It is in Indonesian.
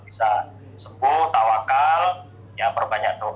jika anda memiliki keamanan yang baik dari keamanan yang baik dari keamanan yang kita lakukan